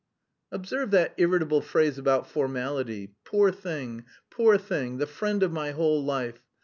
"Observe that irritable phrase about formality. Poor thing, poor thing, the friend of my whole life!